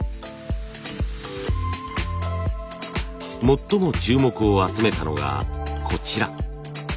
最も注目を集めたのがこちら。